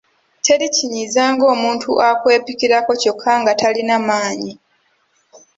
Teri kinyiiza ng’omuntu akwepikirako kyokka nga talina maanyi.